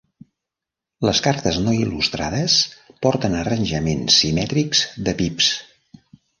Les cartes no il·lustrades porten arranjaments simètrics de pips.